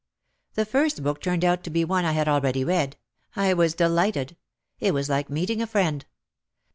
The first book turned out to be one I had already read. I was delighted. It was like meeting a friend.